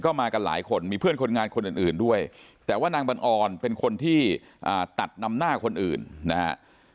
ก็มากันหลายคนมีเพื่อนคนงานคนอื่นด้วยแต่ว่านางบังออนเป็นคนที่ตัดนำหน้าคนอื่นนะฮะ